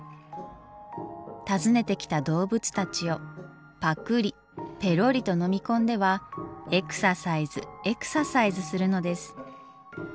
訪ねてきた動物たちをぱくりぺろりと飲み込んではエクササイズエクササイズするのです。